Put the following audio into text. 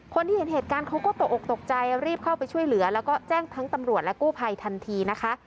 คนที่เห็นเหตุการณ์เขาก็ตกออกตกใจรีบเข้าไปช่วยเหลือแล้วก็แจ้งทั้งตำรวจและกู้ภัยทันทีนะคะ